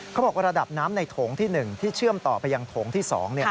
ระดับน้ำในโถงที่๑ที่เชื่อมต่อไปยังโถงที่๒